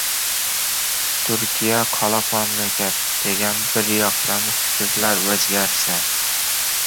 «Turkiya — qoloq mamlakat» degan biryoqlama fikrlar o‘zgarsa.